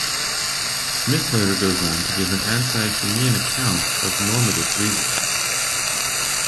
Smith later goes on to give an anti-Humean account of normative reasons.